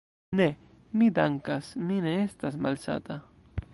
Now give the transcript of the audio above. Ne, mi dankas, mi ne estas malsata.